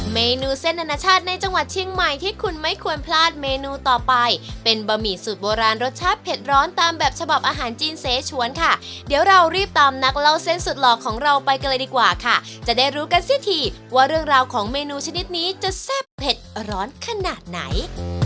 เมนูเส้นอนาชาติในจังหวัดเชียงใหม่ที่คุณไม่ควรพลาดเมนูต่อไปเป็นบะหมี่สูตรโบราณรสชาติเผ็ดร้อนตามแบบฉบับอาหารจีนเสชวนค่ะเดี๋ยวเรารีบตามนักเล่าเส้นสุดหล่อของเราไปกันเลยดีกว่าค่ะจะได้รู้กันซิทีว่าเรื่องราวของเมนูชนิดนี้จะแซ่บเผ็ดร้อนขนาดไหน